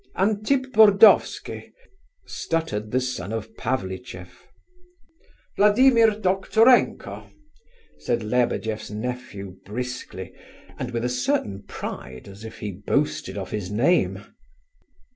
"Antip Burdovsky," stuttered the son of Pavlicheff. "Vladimir Doktorenko," said Lebedeff's nephew briskly, and with a certain pride, as if he boasted of his name.